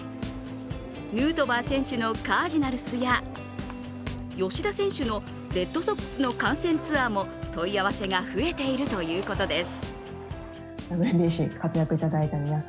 ヌートバー選手のカージナルスや吉田選手のレッドソックスの観戦ツアーも問い合わせが増えているということです。